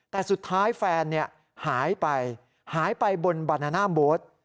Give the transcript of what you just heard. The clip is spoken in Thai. แต่สุดท้ายแฟนหายไปหายไปบนบานาน่ามโบ๊ท